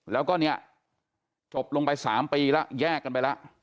แล้วก็เนี่ยจบลงไป๓ปีแล้วแยกกันไปแล้ว